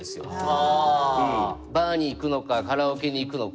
バーに行くのかカラオケに行くのか。